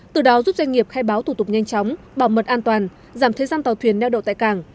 từ đó giúp doanh nghiệp khai báo thủ tục nhanh chóng bảo mật an toàn giảm thế gian tàu thuyền neo đậu tại cảng